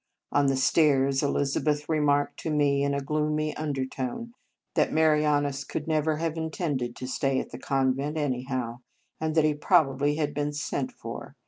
On the stairs Elizabeth remarked to me in a gloomy undertone that Marianus could never have intended to stay at the convent, anyhow, and that he probably had been " sent for."